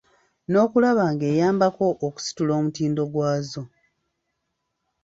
N’okulaba nga eyambako okusitula omutindo gwazo.